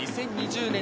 ２０２０年